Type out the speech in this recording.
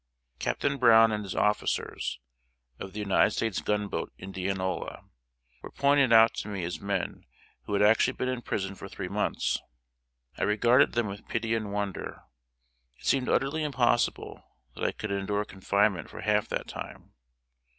Captain Brown and his officers, of the United States gunboat Indianola, were pointed out to me as men who had actually been in prison for three months. I regarded them with pity and wonder. It seemed utterly impossible that I could endure confinement for half that time.